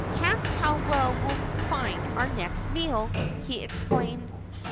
"Can't tell where we'll find our next meal," he explained.